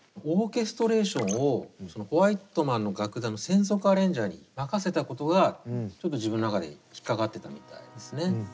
オーケストレーションをホワイトマンの楽団の専属アレンジャーに任せたことがちょっと自分の中で引っ掛かってたみたいですね。